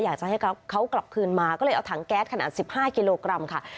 อยากจะให้เขากลับคืนมาก็เลยเอาถังแก๊สขนาด๑๕กิโลกรัมค่ะ